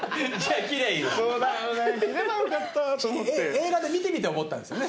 映画で見てみて思ったんですよね？